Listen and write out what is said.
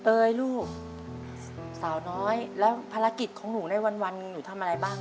เอ๋ยลูกสาวน้อยแล้วภารกิจของหนูในวันหนูทำอะไรบ้าง